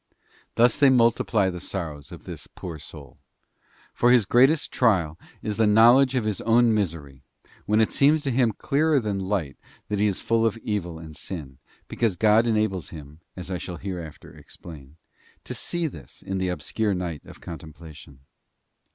Thus they multiply the sorrows of this poor soul, for his greatest trial is the knowledge of his own misery, when it seems to him clearer than light that he is full of evil and sin, because God enables him, as I shall hereafter explain, to see this in the obscure night of contemplation.